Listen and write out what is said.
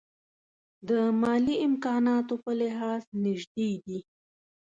د مالي امکاناتو په لحاظ نژدې دي.